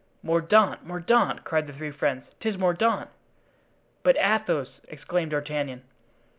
"Mordaunt! Mordaunt!" cried the three friends; "'tis Mordaunt!" "But Athos!" exclaimed D'Artagnan.